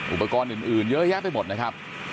อุปกรณ์อื่นเยอะแยะไปหมดนะครับ